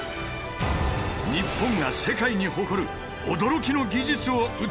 日本が世界に誇る驚きの技術を映し出す！